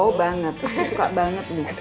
oh banget saya suka banget nih